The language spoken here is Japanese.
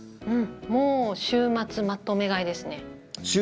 もう週末まとめ買いですね。